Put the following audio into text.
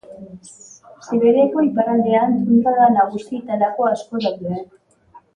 Siberiako iparraldean tundra da nagusi eta laku asko daude.